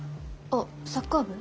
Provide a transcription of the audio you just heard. あっサッカー部？